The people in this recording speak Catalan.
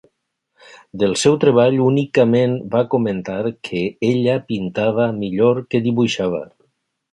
Del seu treball únicament va comentar que ella pintava millor que dibuixava.